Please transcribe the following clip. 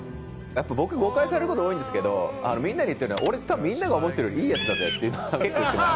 僕誤解されること多いんですけどみんなに言ってるのは俺多分みんなが思ってるよりいいヤツだぜっていうのは結構言ってます。